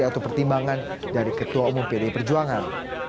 atau pertimbangan dari ketua umum pdi perjuangan